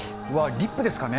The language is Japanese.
リップですかね。